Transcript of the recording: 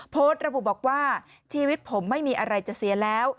โพสต์ระบุบอกว่าชีวิตผมไม่มีอะไรจะเสียแล้ว